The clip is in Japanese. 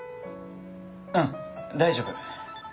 うん大丈夫。